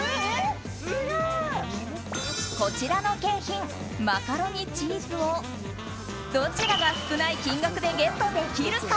こちらの景品、マカロニチーズをどちらが少ない金額でゲットできるか？